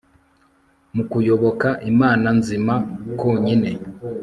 Mu kuyoboka Imana nzima konyine